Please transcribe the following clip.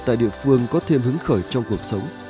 tại địa phương có thêm hứng khởi trong cuộc sống